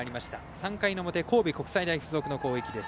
３回の表、神戸国際大付属の攻撃。